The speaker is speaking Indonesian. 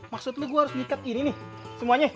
maksud lu gua harus disikat ini nih semuanya